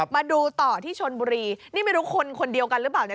มาดูต่อที่ชนบุรีนี่ไม่รู้คนคนเดียวกันหรือเปล่าเนี่ย